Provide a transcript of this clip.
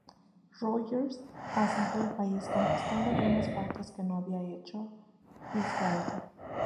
Roger asentó el país, conquistando algunas partes que no había hecho Guiscardo.